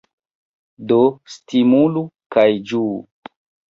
Do stimulu kaj ĝuu!